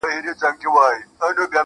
چي واکداران مو د سرونو په زاريو نه سي~